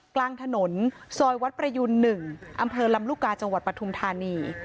กลางถนนซอยวัดประยูน๑อำเภอลำลูกกาจังหวัดปทุมธานี